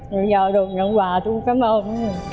rồi giờ được đón quà tôi cảm ơn